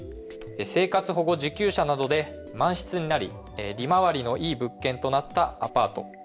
生活保護受給者などで満室になり利回りのいい物件となったアパート。